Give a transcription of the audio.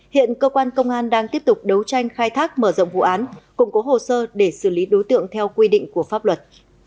hiện cơ quan công an đang tiếp tục đấu tranh khai thác mở rộng vụ án củng cố hồ sơ để xử lý đối tượng theo quy định của pháp luật